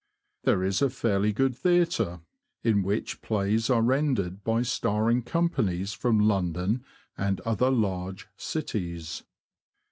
There is a fairly good theatre, in which plays are rendered by starring companies from London and other large cities.